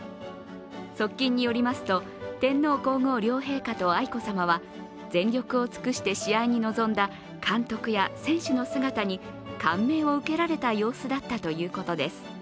側近によりますと、天皇皇后両陛下と愛子さまは全力を尽くして試合に臨んだ監督や選手の姿に感銘を受けられた様子だったということです。